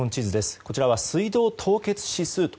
こちらは水道凍結指数と。